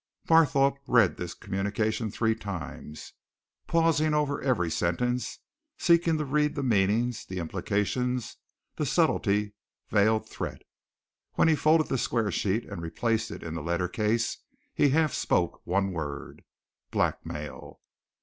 Barthorpe read this communication three times, pausing over every sentence, seeking to read the meanings, the implications, the subtly veiled threat. When he folded the square sheet and replaced it in the letter case he half spoke one word: "Blackmail!"